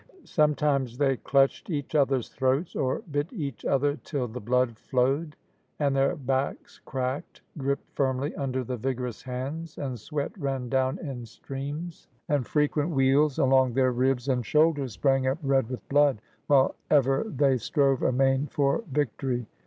Sometimes they clutched each other's throats, or bit each other till the blood flowed. "And their backs cracked, gripped firmly under the vig orous hands, and sweat ran down in streams, and fre quent weals along their ribs and shoulders sprang up red with blood, while ever they strove amain for victory."